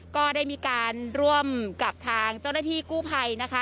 ก็ได้มีการร่วมกับทางเจ้าหน้าที่กู้ภัยนะคะ